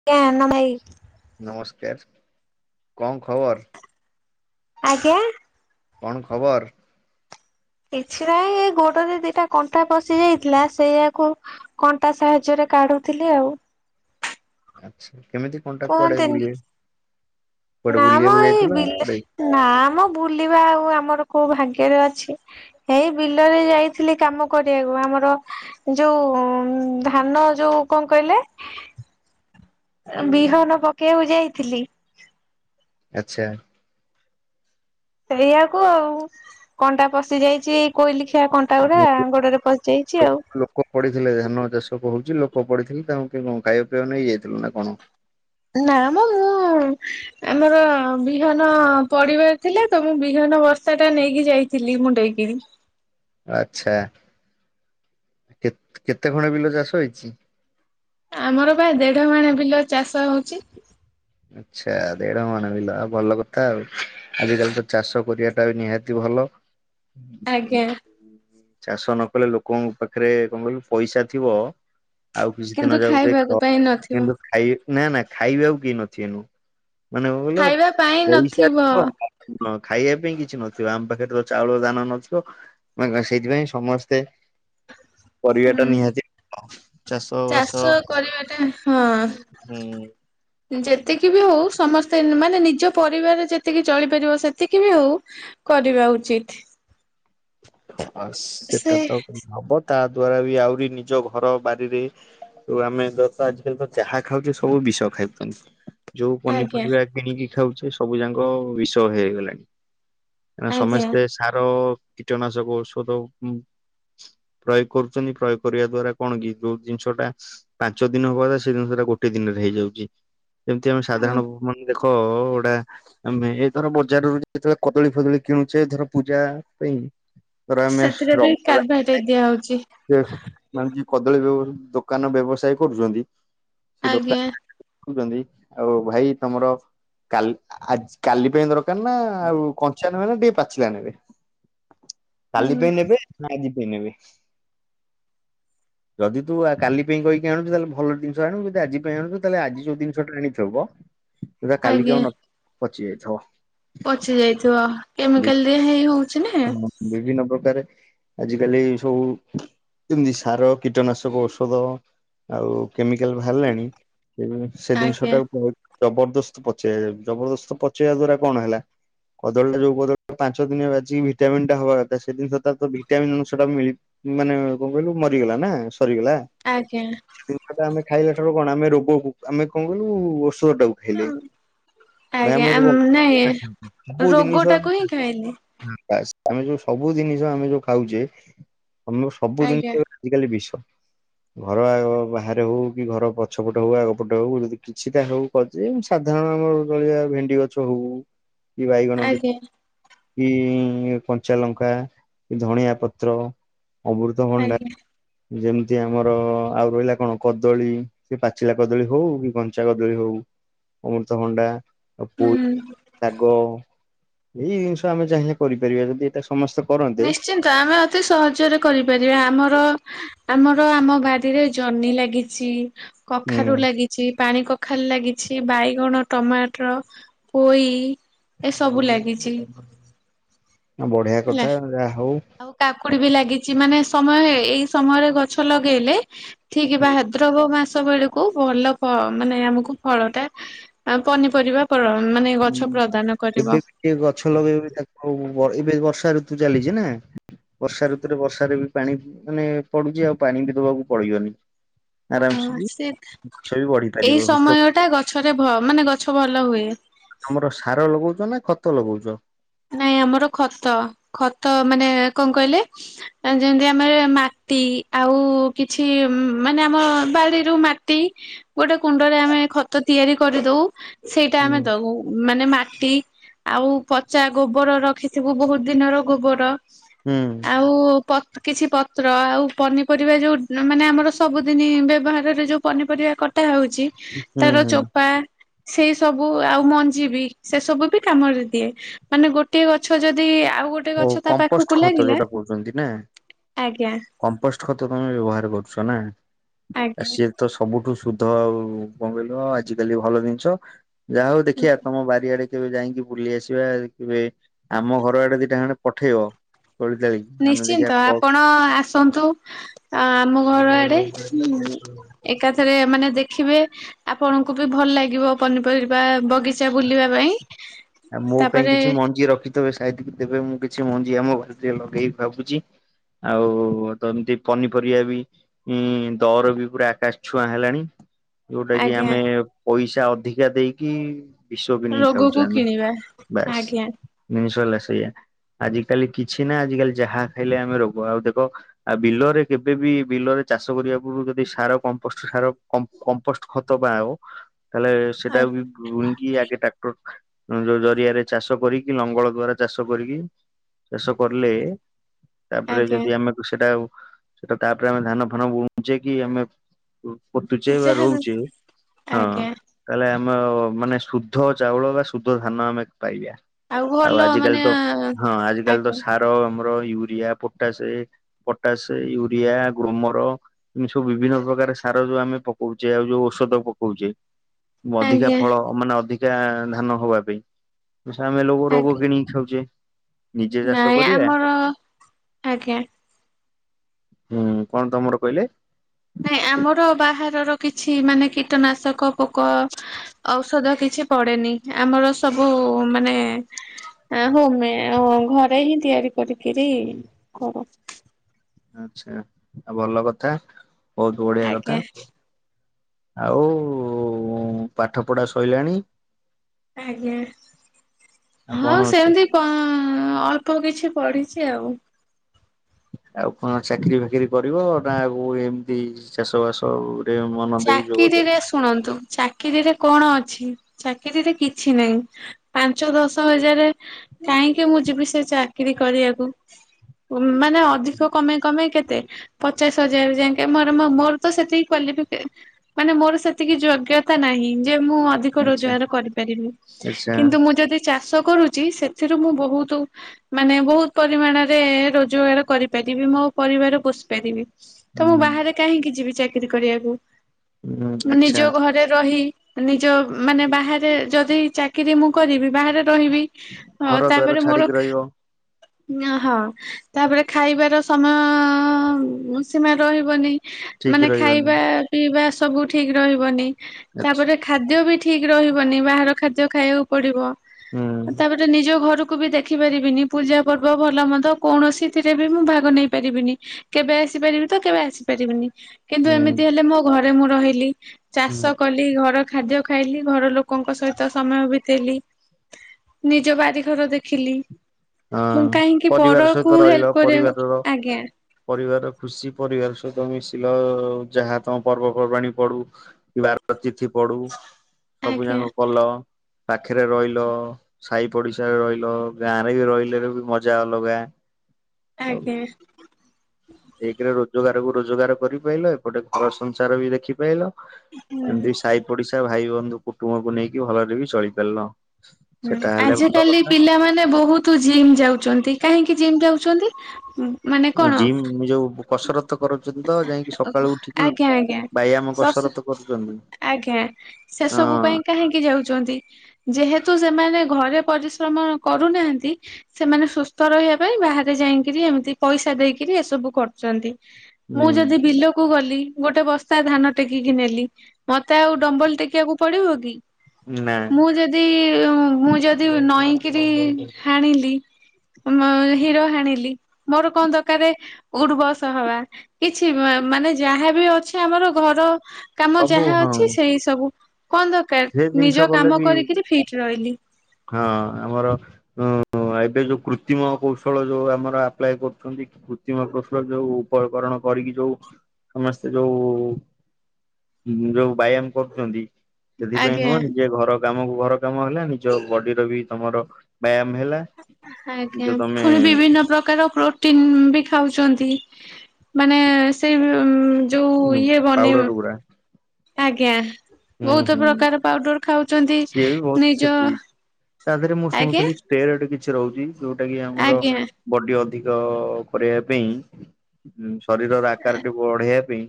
[unintelligible] ନମସ୍କାର କଣ ଖବର? ଆଜ୍ଞା? କଣ ଖବର? କିଛି ନାହିଁ ଏ ଗୋଡରେ ଦିଟା କଣ୍ଟା ପଶି ଯାଇଥିଲା ସେଇୟାକୁ କଣ୍ଟା ସାହାଯ୍ୟରେ କାଢୁଥିଲି ଆଉ। ଆଛା କେମିତି କଣ୍ଟା କୁଆଡ଼େ ବୁଲେ ନାମ ଏଇ ବ ନାମ ବୁଲିବା ଆଉ ଆମର କୋଉ ଭାଗ୍ୟରେ ଅଛି। ଏଇ ବିଲରେ ଯାଇଥିଲି କାମ କରିବାକୁ ଆମର ଯୋଉ ଧାନ ଯୋଉ କଣ କହିଲେ ବିହନ ପକେଇବାକୁ ଯାଇଥିଲି। ଆଛା। ସେଇଆକୁ ଆଉ। କଣ୍ଟା ପଶି ଯାଇଛି କୋଇଲିଖିଆ କଣ୍ଟା [unintelligible] ଗୁଡା ଗୋଡରେ ପଶି ଯାଇଛି ଆଉ। ଲୋକ ପଡିଥିଲେ ଧାନ ଚାଷ କ ହଉଛି ଲୋକ ପଡିଥିଲେ ତାଙ୍କୁ ଖାଇବା ପିବା ନେଇ ଯାଇଥିଲ ନା କଣ? ନା ମ ମୁଁ ଆମର ବିହନ ପଡିବାର ଥିଲେ ତ ମୁଁ ବିହନ ବସ୍ତାଟା ନେଇକି ଯାଇଥିଲି ମୁଣ୍ଡେଇ କିରି। ଆଚ୍ଛା କେ କେତେ ଖଣ ବିଲ ଚାଷ ହେଇଛି? ଆମର ପ୍ରାୟ ଦେଢ ମାଣ ବିଲ ଚାଷ ହଉଛି। ଆଚ୍ଛା ଦେଢ ମାଣ ବିଲ ଭଲ କଥା ଆଉ। ଆଜିକାଲି ତ ଚାଷ କରିବାଟା ନିହାତି ଭଲ। ଆଜ୍ଞା। ଉଁ, ଚାଷ ନ କଲେ ଲୋକଙ୍କ ପାଖରେ କଣ କହିଲୁ ପଇସା ଥିବ। ଆଉ କିଛି ଦିନ କିନ୍ତୁ ଯାଉ ଖ ଖାଇବାକୁ ପାଇଁ ନଥିବ କିନ୍ତୁ ଖାଇ ନା ନା ଖାଇବାକୁ କେହି ନଥିବେ। ମାନେ କଣ ଖାଇବା ପାଇଁ କହିଲ ପଇସା ନଥିବ ହଁ ଖାଇବା ପାଇଁ କିଛି ନଥିବ ଆମ ପାଖରେ ତ ଚାଉଳ ଦାନା ନଥିବ। ମନେ ସେଇଥିପାଇଁ ସମସ୍ତେ ପରିବା ଟା ହୁଁ। ନିହାତି ଚାଷ ବାସ, କରିବାଟା ହଁ ହୁଁ। ଯେତିକି ବି ହଉ ସମସ୍ତେ ମାନେ ନିଜ ପରିବାର ଯେ ସେତିକି ଚଳିପାରିବ ସେତିକି ବି ଆଉ କରିବା ଉଚିତ୍। ଆ ସେଟା ସେ ତ ହବ ତା ଦ୍ଵାରା ବି ଆହୁରି ନିଜ ଘର ବାରିରେ ତ ଆମେ ଦସ୍ ଆଜିକାଲି ତ ଯାହା ଖାଉଛେ ସବୁ ବିଷ ଖାଉଛନ୍ତି। ଯୋଉ ଆଜ୍ଞା ପନିପରିବା କିଣିକି ଖାଉଚେ ସବୁ ଯାକ ବିଷ ହେଇଗଲାଣି। କ ଆଜ୍ଞା ସମସ୍ତେ ସାର କୀଟନାଶକ ଔଷଦ। ପ୍ରୟୋଗ କର୍ଚନ୍ତି ପ୍ରୟୋଗ୍ କରିବା ଦ୍ଵାରା କଣ କି ଯୋଉ ଜିନ୍ଷ ଟା ପାଞ୍ଚ ଦିନ ହବାକଥା ସେଦିନ ସେଟା ଗୋଟେ ଦିନରେ ହେଇଯାଉଚି ଯେମିତି ଆମେ ସାଧାରଣ ମାନ୍ ଦେଖ ଗୋଟା ଆମେ ଏ ଧର ବଜାରରୁ ଯେତେବେଳେ କଦଳୀ ଫଦଳୀ କିଣୁଚେ ଧର ପୂଜା ପାଇଁ ଧର ଆମେ ସେଥିରେ ବି ରବାର ରା କାର୍ବାଇଟ ଦିଆ ହଉଛି ସେ ମାନେ ଯିଏ କଦଳୀ ଦୋକାନ ବ୍ୟବସାୟ କରୁଚନ୍ତି ସେ ଆଜ୍ଞା ଦୋକାନି ମାନେ ଦେଖୁଚନ୍ତି ଆଉ ଭାଇ ତମର କାଲ୍ ଆ ଆଜ୍ କାଲି ପାଇଁ ତ ର କାନା ଆଉ କଞ୍ଚା ନେବେ ନା ଟିକେ ପାଚିଲା ନେବେ। କାଲି ହୁଁ ପାଇଁ ନେବେ ନା ଆଜି ପାଇଁ ନେବେ। ଯଦି ତୁ ଆ କାଲି ପାଇଁ କହିକି ଆଣୁଚୁ ତାହେଲେ ଭଲ ଜିନିଷ ଆଣିବୁ ଜଦି ଆଜି ପାଇଁ ଆଣୁଚୁ ତାହେଲେ ଆଜି ଯୋଉ ଜିନିଷଟା ଆଣିଥିବ ସେଉଡା କାଲିକି ଆଜ୍ଞା। ଆଉ ନ ପଚି ଯାଇଥବ। ପଚି ଯାଇଥିବ କେମିକାଲ୍ ଦିଆ ହେଇ ହଉ ହଁ ବିଭିନ୍ନ ପକାରେ ଆଜିକାଲି ସବୁ ଯେମିତି ସାର କୀଟନାଶକ ଔଷଧ ଆଉ କେମିକାଲ୍ ଭାରିଲାଣି ସେ ସେ ଆଜ୍ଞା ଜିନିଷଟା ଜବରଦସ୍ତ ପଚେଇବା ଜବରଦସ୍ତ ପଚେଇବା ଦ୍ଵାରା କଣ ହେଲା। କଦଳ୍ଟା ଯୋଉ କଦଳ୍ ପାଞ୍ଚ ଦିନ୍ ବାଜିିକି ଭିଟାମିନ୍ ଟା ହବା କଥା ସେଦିନ ତ ତାର୍ ତ ଭିଟାମନ୍ ଅଶଂ ଟା ମିଳି ମାନେ କଂ କହିଲୁ ମରିଗଲା ନା ସରିଗଲା। ଆଜ୍ଞା। ଜିନିଷଟା ଆମେ ଖାଇଲା ଠାରୁ କଣ ଆମେ ରୋଗକୁ ଆମେ କଁ କଲୁ ଔଷଦ ଟାକୁ ହେଲେ ଆଜ୍ଞା [unintelligible] ଆମେ [inaudible] ସବୁ ଜିନିଷ ପାଇିଲି। ଆମେ ଯୋଉ ସବୁ ଜିନିଷ ଆମେ ଯୋଉ ଖାଉଚେ ଆ ସବୁ ଆଜ୍ଞା ଜିନିଷ ଆଜିକାଲି ବିଶ୍ୱ ଘର ଆଗ ବାହାରେ ହୋଉ କି ଘର ପଛପଟ ହୋଉ ଆଗପଟ ହୋଉ ଯଦି କିଛିଟା ହୋଉ। ସାଧାରଣ ଆମର ଜଳିଆ ଭେଣ୍ଡି ଗଛ ହୋଉ କି ବାଇଗଣ ଗ ଆଜ୍ଞା କି କଞ୍ଚା ଲଙ୍କା କି ଧଣିଆ ପତ୍ର ଅମୃତଭଣ୍ଡା ଆଜ୍ଞା ଯେମିତି ଆମର ଆଉ ରହିଲା କଣ କଦଳୀ। ସେ ପାଚିଲା କଦଳୀ ହୋଉ କି କଞ୍ଚା କଦଳୀ ହୋଉ ଅମୃତଭଣ୍ଡା ଆଉ ପୋଇ ହୁଁ ଶାଗ ଏଇ ଜିନିଷ ଆମେ ଚାହିଁଲେ କରିପାରିବା ଯଦି ଏ ସମସ୍ତେ କରନ୍ତେ ତ ଆମେ ଅତି ସହଜରେ କରିପାରିବା ଆମର ଆମର ଆମ ବାଡିରେ ଜହ୍ନି ଲାଗିଚି କଖାରୁ ହୁଁ ଲାଗି ଚି ପାଣି କଖାରୁ ଲାଗିଚି ବାଇଗଣ ଟମାଅଟର ପୋଇ ଏସବୁ ଲାଗିଚି। ଆ ବଢିଆ କଥା ଯାହା ହୋଉ। ଆଉ କାକୁଡି ବି ଲାଗିଚି ମାନେ ସମୟରେ ଏଇ ସମୟରେ ଗଛ ଲଗେଇଲେ ଠିକ୍ ବା ହାଦ୍ରବ ମାସ ବେଳକୁ କୁ ଭଲ ଫ ମାନେ ଆମକୁ ଫଳ ଟା ପନିପରିବା ପ୍ର ମାନେ ଗଛ ପ୍ରଦାନ କରିବ। ହୋଉ ବହିବେ ବର୍ଷା ଋତୁ ଚାଲିଚି ନା ବର୍ଷା ଋତୁରେ ବର୍ଷାାରେ ବି ପାଣି ମାନେ ପଡୁଚି ଆଉ ପାଣି ବି ଦବାକୁ ପଡିବନି। ଆରାମସେ ହଁ ବି ସେ ଗଛ ବି ବଢି ପାରିବ ଏଇ ହୃଷ୍ଟ ସମୟ ଟା ଗଛରେ ଭ ମାନେ ଗଛ ଭଲ ହୁଏ। ତମର ସାର ଲଗୋଉଚ ନା ଖତ ଲଗୋଉଚ? ନାଇଁ ଆମର ଖତ ଖତ ମାନେ କଣ କହିଲେ? ଯେମିତି ଆମେ ମାଟି ଆଉ କିଛି ମାନେ ଆମ ବାଡିରୁ ମାଟି ଗୋଟେ କୁଣ୍ଡରେ ଆମେ ଖତ ତିଆରି କରିଦୋଉ। ସେଇଟା ଆମେ ହୁଁ ଦୋଉ ମାନେ ମାଟି ଆଉ ପ ଚା ଗୋବର ରଖିଥିବୁ ବୋହୁତ ଦିନର ଗୋବର। ହୁଁ। ଆଉ ପ କିଛି ପତ୍ର ଆଉ ପନିପରିବା ଯୋଉ ମାନେ ଆମର ସବୁଦିନି ବ୍ୟବହାରରେ ଯୋଉ ପନିପରିବା କ ଟା ହୋଉଚି ହୁଁ ତାର ହୁଁ ଚୋପା। ସେଇ ସବୁ ଆଉ ମଞ୍ଜି ବିି ସେ ସବୁ ବି କାମରେ ଦିଏ। ମାନେ ଗୋଟିଏ ଗଛ ଯଦି ଆଉ ଗୋ ଗୋଟେ ଓ ଗଛ ତା କମ୍ପୋଷ୍ଟ ପାଖକୁ ଖତ ଲାଗିଲା ଯୋଉଟା କହୁଛନ୍ତି ନା ଆଜ୍ଞା। କମ୍ପୋଷ୍ଟ ଖତ ତମେ ବ୍ୟବହାର କରୁଛ ନାଁ ଆଜ୍ଞା ସିଏ ତ ସବୁଠୁ ସୁଧ ଆଉ କଣ କହିଲ ଆଜିିକାଲି ଭଲ ଜିନିଷ। ଯାହା ହୋଉ ଦେଖିବା ତମ ବାରିଆଡେ କେବେ ଯାଇଁକି ବୁଲି ଆସିବା କେବେ ଆମ ଘର ଆଡେ ଦିଟା ଖଣ୍ଡେ ପଠେଇବ ତୋଳି ତାଳିକି। ଆମେ ଦେଖିବା ନିଶ୍ଚିନ୍ତ କ ଆପଣ ଆସନ୍ତୁ ଆ ଆମ ଘର ଆଡେ। ଏକାଥରେ ମାନେ ଦେଖିବେ ଆପଣଙ୍କୁ ବି ଭଲ ଲାଗିବ ପନିପରିବା ବଗି ଚା ବୁଲିବା ପାଇଁ ତାପରେ ତ [unintelligible] ସାଇିତିକି ଦେବେ ମୁଁ କିଛି ମଞ୍ଜି ଆମ ଘରେ ଟିକେ ଲଗେଇବି ଭାବୁଛି। ଆଉ ତ ଏମିତି ପନିପରିବା ବି। ଉଁ ଦର ବି ପୁରା ଆକାଶ ଛୁଆଁ ହେଲାଣି। ଯୋଉଟା କି ଆଜ୍ଞା ଆମେ ପଇସା ଅଧିକା ଦେଇକି ବିଷ କିଣିକି ଖାଉଛେ ରୋଗକୁ ଆମେ କିଣିବା ବାସ୍ ଆଜ୍ଞା ଜିନିଷ ହେଲା ସେଇୟା। ଆଜିକାଲି କିଛି ନା ଆଜିକାଲି ଯାହା ଖାଇଲେ ଆମେ ରୋଗ ଆଉ ଦେଖ ଆଉ ବିଲରେ କେବେ ବିି ବିଲରେ ଚାଷ କରିବା ପୂର୍ରୁ [unintelligible] ଯଦି ସାର କମ୍ପୋଷ୍ଟ ସାର କମ୍ପୋଷ୍ଟ ଖତ ବା ଆ [unintelligible] ଉ ତାଲେ ଆ ସେଟା ବିି ଆଗେ ଟାକ୍ଟର ଯୋଉ ଜରିଆରେ ଚାଷ କରିକି ଲଙ୍ଗଳ ଦ୍ଵାରା ଚାଷ କରିକି ଚାଷ କରିଲେ ତାପରେ ଆଜ୍ଞା ଯଦି ଆମେ କୁ ସେଟା ଆଉ ସେଟା ତାପରେ ଆମେ ଧାନ ଫାନ ବୁଣୁଚେକି ଆମେ ପୋତୁଚେ ବା ଯାହାବି ରୋଉଚେ ହଁ। ଆଜ୍ଞା ତାହେଲେ ଆମ ମାନେ ଶୁଦ୍ଧ ଚାଉଳ ବା ଶୁଦ୍ଧ ଧାନ ଆମେ ପାଇବା। ଆଉ ଭଲ ଆଜି କାଲି ମାନେ ତ ହଁ ଆଜ କାଲି ତ ଆଜ୍ଞା ସାର ଆମର ୟୁରିଆ ପୋଟାସେ ପଟାସେ ୟୁରିଆ ଗ୍ରୋମର। ଏ ସବୁ ବିଭିନ୍ନ ପ୍ରକାର ସାର ଯୋଉ ଆମେ ପକୋଉଚେ ଆଉ ଯୋଉ ଔଷଧ ପକୋଉଚେ ଅଧିକା ଆଜ୍ଞା ଫଳ ମାନେ ଅଧିକା ଧାନ ହବା ପାଇଁ। ଆମେ ଲୋକ [unintelligible] ରୋଗ ଆଜ୍ଞା କିଣିକି ଖାଉଛେ। ନିଜେ ଚାଷ ନାଇଁ କରିବା ଆମର ଆଜ୍ଞା ହୁଁ କଣ ତମର କହିଲେ? ନାଇଁ ଆମର ବାହାରର କିଛି ମାନେ କୀଟନାଶକ ପୋକ ଔଷଧ କିଛି ପଡେନି ଆମର ସବୁ ମାନେ ଆ ହଉମେ [unintelligible] ଘରେ ହିଁ ତିଆରି କରିକିରି କରୁ। ଆଛା ଭଲ କଥା ବୋହୁତ ବଢିଆ ଆଜ୍ଞା କଥା। ଆଉ ପାଠ ପଢା ସଇଲାଣି। ଆଜ୍ଞା ଆଉ କଣ ହଁ ଅଛି ସେମତି କ ଅଳ୍ପ କିଛି ପଢିଛି ଆଉ। ଆଉ କଣ ଚାକିରି ଫାକିରି କରିବ ନା ଆଉ ଏମିତି ଚାଷ ବାସରେ ଚାକିରିରେ ଶୁଣନ୍ତୁ ଚାକିରିରେ କଣ ଅଛି ଚାକିରିରେ କିଛି ନାହିଁ। ପାଞ୍ଚ ଦଶ ହଜାର କାହିଁକି ମୁଁ ଯିବି ସେ ଚାକିରୀ କରିବାକୁ। ମାନେ ଆଚ୍ଛା ଅଧିକ କମେ କମେ କେତେ ପଚାଶ ହଜାର ଯାଇକେ ମୋର ମୋର ତ ସେଠି କାଲି ମାନେ ମୋର ସେତିକି ଯୋଗ୍ୟତା ନାହିଁ ଯେ ମୁଁ ଅଧିକ ଆଚ୍ଛା ରୋଜଗାର କରିପାରିବି ଆଚ୍ଛା କିନ୍ତୁ ମୁଁ ଯଦି ଚାଷ କରୁଛି ସେଥିରୁ ମୁଁ ବହୁତ ମାନେ ବହୁତ ପରିମାଣରେ ରୋଜଗାର କରିପାରିବି ମୋ ପରିବାର ପୋଷି ପାରିବି। ତ ମୁଁ ହୁଁ ବାହାରେ କାହିଁକି ଯିବି ଚାକିରୀ କରିବାକୁ ହୁଁ ମୁଁ ଆଚ୍ଛା ନିଜ ଘରେ ରହି ନିଜ ମାନେ ବାହାରେ ଯଦି ଚାକିରି ମୁଁ କରିବି ବାହାରେ ରହିବି। ହଁ ଘର ଦ୍ୱାର ତାପରେ ମୋର ଛାଡିକି ରହିବ ହଁ ତାପରେ ଖାଇବାର ସମୟ ସୀମା ରହିବନି। ଠିକ ମାନେ ରହିବନି ଖାଇବା ପିଇବା ସବୁ ଠିକ ରହିବନି ଆଛା ତାପରେ ଖାଦ୍ୟ ବି ଠିକ ରହିବନି ବାହାର ଖାଦ୍ୟ ଖାଇବାକୁ ପଡିବ ହୁଁ ତାପରେ ନିଜ ଘରୁ କୁ ବି ଦେଖିପାରିବିନି ପୂଜା ପର୍ବ ଭଲମନ୍ଦ କୌଣସିଥିରେ ବି ମୁଁ ଭାଗ ନେଇ ପାରିବିନି। କେବେ ଆସିପାରିବି ତ କେବେ ଆସିପାରିବିନି। କିନ୍ତୁ ହୁଁ ଏମିତି ହେଲେ ମୋ ଘରେ ମୁଁ ରହିଲି ହୁଁ ଚାଷ କଲି ଘର ଖାଦ୍ୟ ଖାଇଲି ଘର ଲୋକ ଲୋକଙ୍କ ସହିତ ସମୟ ବିତେଇଲି ନିଜ ବାରିଘର ଦେଖିଲି। ମୁଁ ହଁ କାହିଁକି ପରିବାର ସହିତ ପରକୁ ରହିଲ ହେଲ୍ପ କରିବାରେ ପରିବାରର ଆଜ୍ଞା। ପରିବାର ଖୁସି ପରିବାର ସହିତ ମିଶିଲ ଯାହା ତମ ପର୍ବପର୍ବାଣି ପଡୁ କି ବାର୍ଡ କିଛି ପଢୁ। ସବୁ ଆଜ୍ଞା ଯାକ କଲ ପାଖରେ ରହିଲ ସାହି ପଡିଶାରେ ରହିଲ ଗାଁ ରହିଲେ ବି ମଜା ଅଲଗା। ଆଉ ଆଜ୍ଞା। ଏକରେ ରୋଜଗାର କୁ ରୋଜଗାର କରିପାଇଲ ଏପଟେ ଘର ସଂସାର ବି ଦେଖି ପାଇଲ। ହୁଁ ଏମିତି ସାହି ପଡିଶା ଭାଇ ବନ୍ଧୁ କୁଟୁମ୍ବକୁ ନେଇକି ଭଲରେ ବି ଚଳି ପାରିଲ। ହୁଁ ଆଜିକାଲି ପିଲାମାନେ ବହୁତ ତୁ ଜିମ୍ ଯାଉଛନ୍ତି କାହିଁକି ଜିମ୍ ଯାଉଛନ୍ତି। ମାନେ କଣ ଜିମ ଯୋଉ କସରତ କରୁଛନ୍ତି ତ ଯାଇକି ସକାଳୁ ଉଠିକି ଆଜ୍ଞା ଆଜ୍ଞା ବାଇଆମ କସ କସରତ କରୁଛନ୍ତି। ଆଜ୍ଞା ସେ ହଁ ସବୁ ପାଇଁ କାହିଁକି ଯାଉଛି ନ୍ତି ଯେହେତୁ ସେମାନେ ଘରେ ପରିଶ୍ରମ କରୁନାହାନ୍ତି। ସେମାନେ ସୁସ୍ଥ ରହିବା ପାଇଁ ବାହାରେ ଯାଇକରି ଏମିତି ପଇସା ଦେଇକିରି ଏସବୁ କରୁଛନ୍ତି। ହୁଁ ମୁଁ ଯଦି ବିଲକୁ ଗଲି ଗୋଟେ ବସ୍ତା ଧାନ ଟେକିକି ନେଲି ମତେ ଆଉ ଡମ୍ବଲ ଟେକିବାକୁ ପଡିବ କି। ନା। ମୁଁ ଯଦି ମୁଁ ଯଦି ନଈକିରି ହାଣିଲି। ହିର ହାଣିଲି ମୋର କଣ ଦରକାର ଉଠ ବସ ହବା କିଛି ମାନେ ଯାହା ବି ଅଛି ଆମର ଘର କାମ ସବୁ ଯାହା ହଁ ଅଛି ସେଇ ସବୁ କଣ ଦରକାର ସେ ଜିନିଷ ନିଜ କଲେ କାମ ବି କରିକିରି ଫିଟ ରହିଲି। ହଁ ଆମର ଉ ହଁ ଏବେ ଯୋଉ କୃତ୍ରିମ କୌଶଳ ଯୋଉ ଆମର ଆପ୍ଲାଏ କରୁଛନ୍ତି। କୃତ୍ରିମ କୌଶଳ ଯୋଉ ଉପକରଣ କରିକି ଯୋଉ ସମସ୍ତେ ଯୋଉ ଯୋଉ ବ୍ୟାୟାମ କରୁଚନ୍ତି ସେଥିପାଇଁ ଆଜ୍ଞା ନୁହଁ ନିଜେ ଘର କାମକୁ ଘର କାମ ହେଲା ନିଜ ବଡିର ବି ତମର ବ୍ୟାୟାମ ହେଲା। ନିଜ ଆଜ୍ଞା ତମେ ଫୁଣି ବିଭିନ୍ନ ପ୍ରକାର ପ୍ରୋଟିନ ବି ଖାଉଚନ୍ତି। ମାନେ ସେଇ ଯୋଉ ଇଏ ବନେଇ ପାଉଡର ଗୁଡା ଆଜ୍ଞା। ହୁଁ ବହୁତୁ ହୁଁ ପ୍ରକାର ପାଉଡ଼ର ଖାଉଚନ୍ତି ସିଏ ବି ବହୁତ ନିଜ ଆଜ୍ଞା ଟେରଏଡ଼ କିଛି ରହୁଚି ଯୋଉଟା କି ଆମର ଆଜ୍ଞା ବଡ଼ି ଅଧିକ କରେଇବା ପେଇଁ ଉଁ ଶରୀରର ଆକାର ଟି ବଢ଼େଇବା ପେଇଁ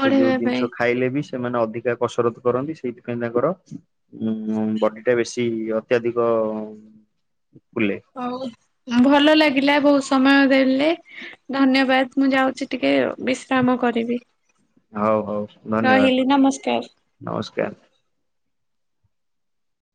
ସେ ଯୋଉ ପାଇଁ ଜିନିଷ ଖାଇଲେ ବି ସେମାନେ ଅଧିକା କସରତ କରନ୍ତି ସେଇଥିପାଇଁ ତାଙ୍କର ଉଁ ଉଁ ବଡ଼ି ଟା ବେଶୀ ଅତ୍ୟାଧିକ ଫୁଲେ। ହଉ ଉଁ ଭଲ ଲାଗିଲା ବହୁତ ସମୟ ଦେଲେ। ଧନ୍ୟବାଦ ମୁଁ ଯାଉଚି ଟିକେ ବିଶ୍ରାମ କରିବି। ହଉ ହଉ ଧନ୍ୟବାଦ ରହିଲି ନମସ୍କାର। ନମସ୍କାର।